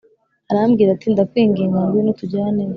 arambwira ati Ndakwinginga ngwino tujyaneyo